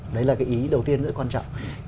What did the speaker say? đấy là ý đầu tiên rất quan trọng